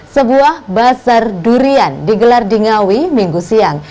sebuah basar durian digelar di ngawi minggu siang